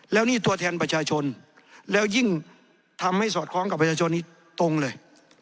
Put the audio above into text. แล้วนี่ตัวแทนประชาชนแล้วยิ่งทำให้สอดคล้องกับประชาชนนี้ตรงเลย